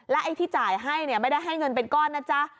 ไอ้ที่จ่ายให้เนี่ยไม่ได้ให้เงินเป็นก้อนนะจ๊ะ